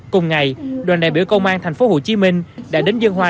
cùng ngày đoàn đại biểu công an thành phố hồ chí minh đã đến dân hoa